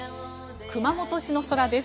熊本市の空です。